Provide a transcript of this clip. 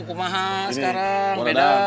kumaha sekarang beda